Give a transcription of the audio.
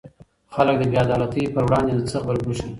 خلګ د بې عدالتۍ پر وړاندې څه غبرګون ښيي؟